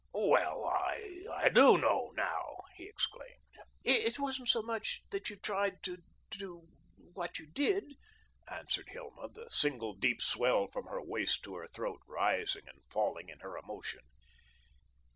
"Well, I do know now," he exclaimed. "It wasn't so much that you tried to do what you did," answered Hilma, the single deep swell from her waist to her throat rising and falling in her emotion.